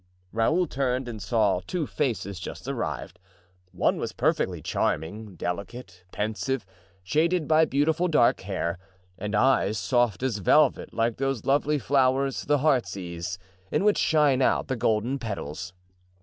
Raoul turned and saw two faces just arrived. One was perfectly charming, delicate, pensive, shaded by beautiful dark hair, and eyes soft as velvet, like those lovely flowers, the heartsease, in which shine out the golden petals.